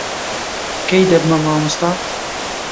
کەی دەبمە مامۆستا؟